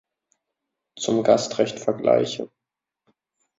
Zum Gastrecht vergleiche.